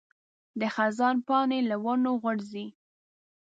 د خزان پاڼې له ونو غورځي.